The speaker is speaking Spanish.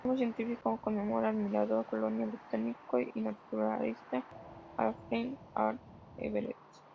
Su nombre científico conmemora al administrador colonial británico y naturalista Alfred Hart Everett.